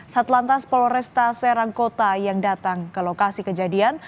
satu lantas polresta serang kota yang datang ke lokasi kejadian